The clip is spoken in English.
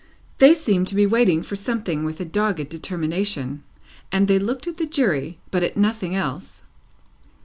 They seemed to be waiting for something with a dogged determination, and they looked at the Jury, but at nothing else.